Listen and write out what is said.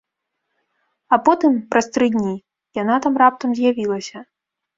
А потым, праз тры дні, яна там раптам з'явілася.